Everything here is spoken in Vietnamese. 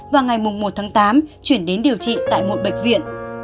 và ngày một tháng tám chuyển đến điều trị tại một bệnh viện